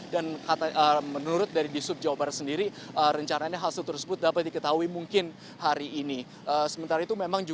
dan menurut dari dishub jawa barat sendiri rencananya hasil tersebut dapat diketahui mungkin hari ini